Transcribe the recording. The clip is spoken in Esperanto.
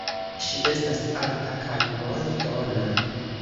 Ŝi estas alta kaj mol-tona.